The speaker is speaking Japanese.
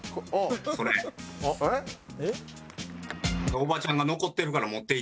おばちゃんが「残ってるから持っていき」